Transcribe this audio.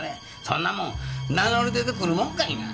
そんなもん名乗り出てくるもんかいな。